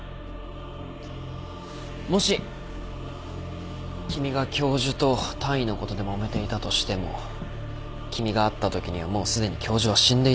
もし君が教授と単位のことでもめていたとしても君が会ったときにはもうすでに教授は死んでいたんだよね。